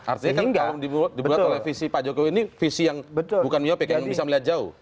artinya kan kalau dibuat oleh visi pak jokowi ini visi yang bukan miopek yang bisa melihat jauh